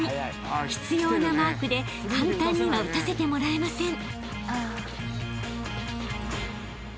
［執拗なマークで簡単には打たせてもらえません］